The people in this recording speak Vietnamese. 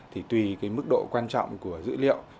thì tùy mức độ quan trọng của dữ liệu